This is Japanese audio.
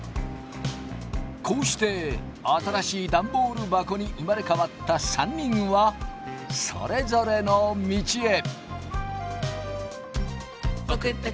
こうして新しいダンボール箱に生まれ変わった３人はそれぞれの道へ。